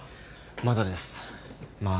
まだですまあ